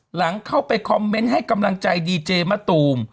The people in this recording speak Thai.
หลังเข้าไปคอมเมนต์ให้กำลังใจดีเจมะตูม